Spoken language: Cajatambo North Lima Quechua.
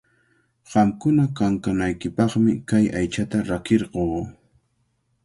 Qamkuna kankanaykipaqmi kay aychata rakirquu.